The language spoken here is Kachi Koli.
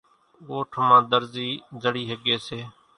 ڳوٺ مان ۮرزِي زڙِي ۿڳيَ سي۔